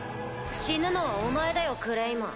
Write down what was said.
死ぬのはお前だよクレイマン。